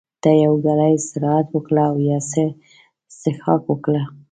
ته یو ګړی استراحت وکړه او یو څه څښاک وکړه.